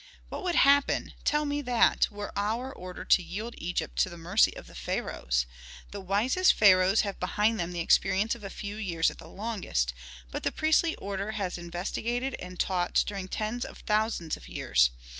"What would happen, tell me that, were our order to yield Egypt to the mercy of the pharaohs? The wisest pharaohs have behind them the experience of a few years at the longest, but the priestly order has investigated and taught during tens of thousands of years.